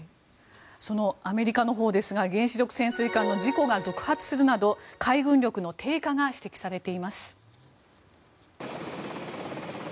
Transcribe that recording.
そのアメリカのほうですが原子力潜水艦の事故が続発するなど海軍力の低下が指摘されています。